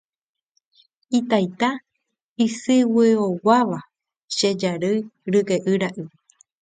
Itaita isyguioguáva che jarýi ryke'y ra'y.